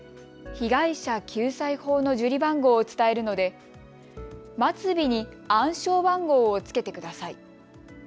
被害者救済法の受理番号を伝えるので末尾に暗証番号をつけてください。